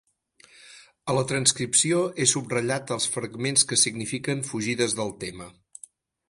A la transcripció he subratllat els fragments que signifiquen fugides del tema.